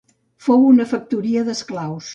Fou una factoria d'esclaus.